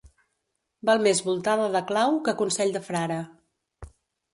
Val més voltada de clau que consell de frare.